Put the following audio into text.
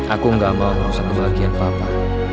aku gak mau merusak kebahagiaan papa